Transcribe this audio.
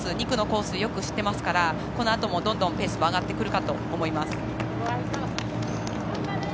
２区のコースをよく知ってますからこのあともどんどんペースも上がってくるかと思います。